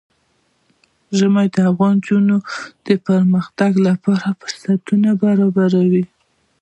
ژمی د افغان نجونو د پرمختګ لپاره فرصتونه برابروي.